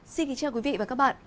xin kính chào quý vị và các bạn